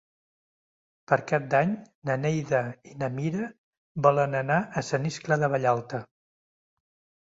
Per Cap d'Any na Neida i na Mira volen anar a Sant Iscle de Vallalta.